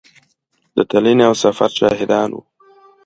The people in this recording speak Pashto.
د تلنې او سفر شاهدان وو.